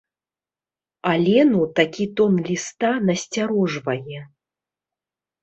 Алену такі тон ліста насцярожвае.